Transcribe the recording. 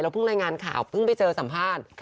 เพิ่งรายงานข่าวเพิ่งไปเจอสัมภาษณ์